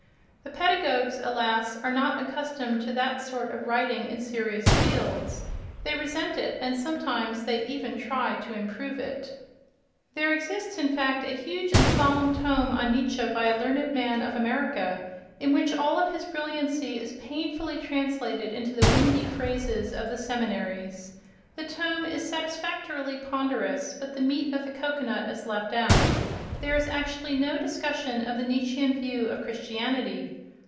The pedagogues, alas, are not accustomed to that sort of writing in serious fields. They resent it, and sometimes they even try to improve it. There exists, in fact, a huge and solemn tome on Nietzsche by a learned man of America in which all of his brilliancy is painfully translated into the windy phrases of the seminaries. The tome is satisfactorily ponderous, but the meat of the cocoanut is left out: there is actually no discussion of the Nietzschean view of Christianity!...